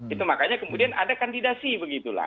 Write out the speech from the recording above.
itu makanya kemudian ada kandidasi begitu lah